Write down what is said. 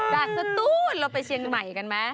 สตูนเราไปเชียงใหม่กันไหม